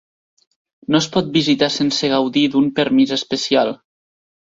No es pot visitar sense gaudir d'un permís especial.